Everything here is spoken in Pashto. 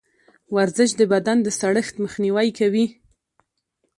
ورزش د بدن د سړښت مخنیوی کوي.